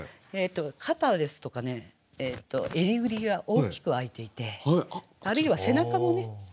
肩ですとか襟ぐりが大きくあいていてあるいは背中もねあいてる。